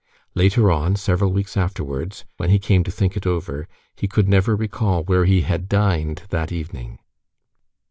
Later on, several weeks afterwards, when he came to think it over, he could never recall where he had dined that evening.